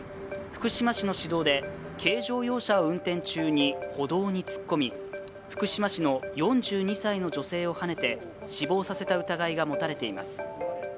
福島市の市道で軽乗用車を運転中に歩道に突っ込み福島市の４２歳の女性をはねて死亡させた疑いが持たれています。